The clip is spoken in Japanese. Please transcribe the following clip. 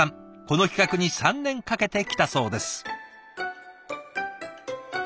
この企画に３年かけてきたそうです。